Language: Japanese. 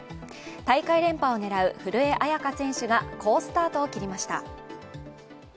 大会連覇を狙う古江彩佳選手が好スタートを切りました。